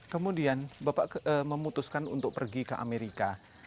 kemudian bapak memutuskan untuk pergi ke amerika